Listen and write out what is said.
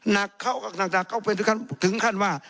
นักเข้าก็ถึงขั้นว่า